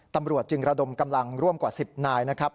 ตำรวจจึงระดมกำลังร่วมกว่า๑๐นายนะครับ